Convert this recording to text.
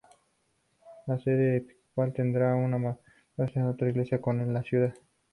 La sede episcopal tendría que mudarse a otra iglesia en la ciudad.